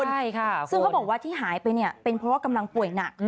ใช่ค่ะซึ่งเขาบอกว่าที่หายไปเนี่ยเป็นเพราะว่ากำลังป่วยหนัก